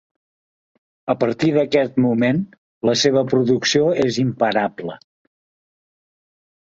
A partir d'aquest moment la seva producció és imparable.